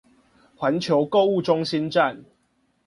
環球購物中心站